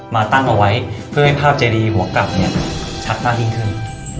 มาตั้งเอาไว้เพื่อให้ภาพเจรีหัวกลับชัดหน้าดินขึ้น